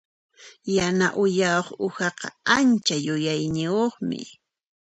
Yana uyayuq uhaqa ancha yuyayniyuqmi.